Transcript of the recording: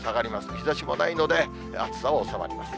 日ざしもないので、暑さは収まります。